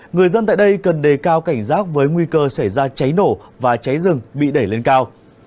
người dân tại đây cần đề cao cảnh giác với nguy cơ xảy ra cháy nổ và cháy rừng bị đẩy lên cao